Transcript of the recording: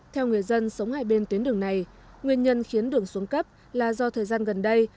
theo người dân sống hai bên tuyến đường này nguyên nhân khiến đường xuống cấp là do thời gian gần đây